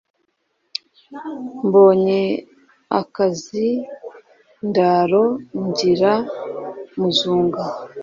mbonye akazindaro ngira muzunga